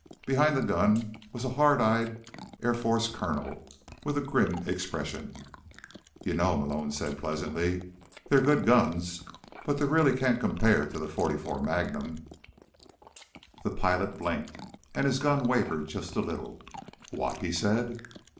Behind the gun was a hard eyed air force colonel with a grim expression. "You know," Malone said pleasantly, "they're good guns, but they really can't compare to the .44 Magnum." The pilot blinked, and his gun wavered just a little. "What?" he said.